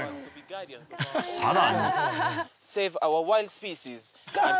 さらに。